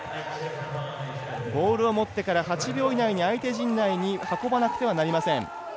ボールを持ってから８秒以内に相手陣内に運ばなくてはいけません。